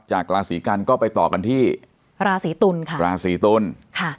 จากราศีกันก็ไปต่อกันที่ราศีตุลค่ะราศีตุลค่ะ